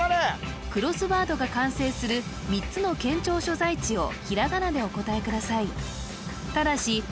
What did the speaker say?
クロスワードが完成する３つの県庁所在地をひらがなでお答えくださいただし○